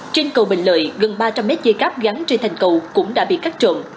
trên cầu bình lợi gần ba trăm linh mét dây cáp gắn trên thành cầu cũng đã bị cắt trộn